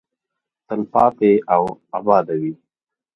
تلپاتې او اباده وي.